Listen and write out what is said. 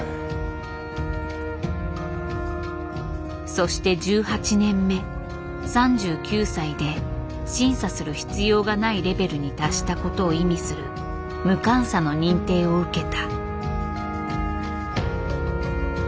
そして１８年目３９歳で審査する必要がないレベルに達したことを意味する「無鑑査」の認定を受けた。